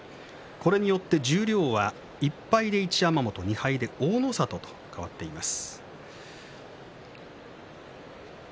これによって十両は１敗の一山本２敗で大の里と変わっています。